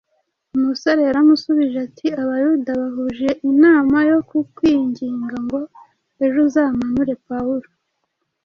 Umusore yaramusubije ati: ” Abayuda bahuje inama yo kukwinginga ngo ejo uzamanure Pawulo